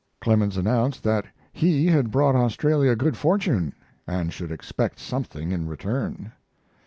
Clemens announced that he had brought Australia good fortune, and should expect something in return.